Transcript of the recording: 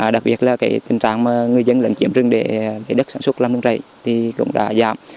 đặc biệt là tình trạng người dân lưỡng chiếm rừng để đất sản xuất làm nướng rầy cũng đã giảm